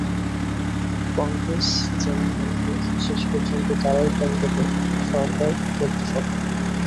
কংগ্রেস যেমন মনে করছে, শেষ পর্যন্ত তারাই কেন্দ্রে সরকার গড়তে সমর্থ হবে।